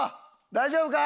大丈夫か？